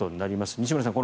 西村さん